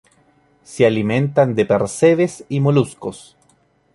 Se alimentan de percebes y moluscos.